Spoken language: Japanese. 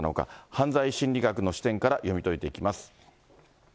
犯罪心理学の視点から読み解いていきます。